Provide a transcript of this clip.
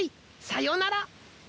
さよなら。